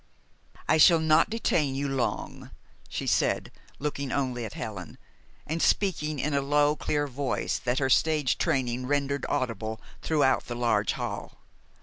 "I shall not detain you long," she said, looking only at Helen, and speaking in a low clear voice that her stage training rendered audible throughout the large hall.